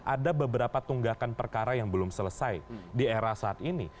ada beberapa tunggakan perkara yang belum selesai di era saat ini